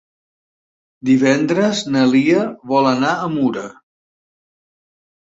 Divendres na Lia vol anar a Mura.